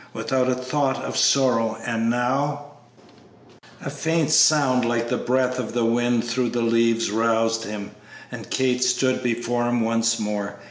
without a thought of sorrow, and now A faint sound like the breath of the wind through the leaves roused him, and Kate stood before him once more.